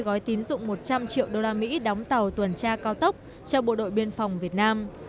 gói tín dụng một trăm linh triệu usd đóng tàu tuần tra cao tốc cho bộ đội biên phòng việt nam